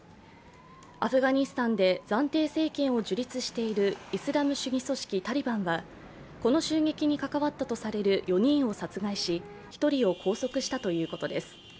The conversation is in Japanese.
アフガニスタンで暫定政権を樹立しているイスラム主義組織タリバンはこの襲撃に関わったとされる４人を殺害し１人を拘束したということです。